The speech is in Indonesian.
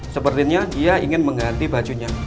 sepertinya dia ingin mengganti bajunya